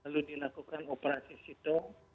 lalu dilakukan operasi situ